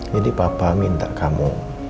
jadi papa minta kamu